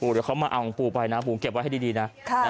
เดี๋ยวเขามาเอาของปูไปนะปูเก็บไว้ให้ดีนะ